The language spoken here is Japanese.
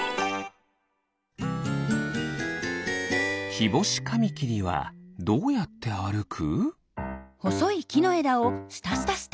キボシカミキリはどうやってあるく？